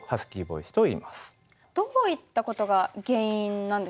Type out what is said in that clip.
どういったことが原因なんですか？